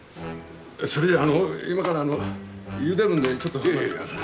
それじゃあの今からゆでるんでちょっと待ってください。